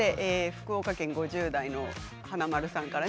福岡県５０代の華丸さんから。